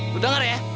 lo dengar ya